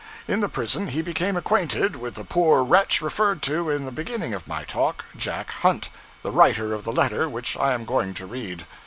In the prison he became acquainted with the poor wretch referred to in the beginning of my talk, Jack Hunt, the writer of the letter which I am going to read.